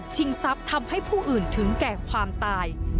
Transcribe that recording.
ทรัพย์ทำให้ผู้อื่นถึงแก่ความตาย